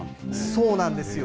そうなんですよ。